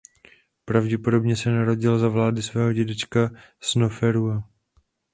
Pravděpodobně se narodil za vlády svého dědečka Snoferua.